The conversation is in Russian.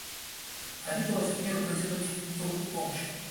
Они просят мир протянуть им руку помощи.